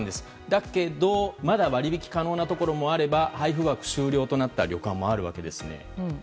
だけどまだ割引可能なところもあれば配布枠終了となった旅館もあるわけですね。